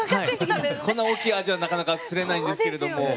こんな大きいアジはなかなか釣れないんですけれども。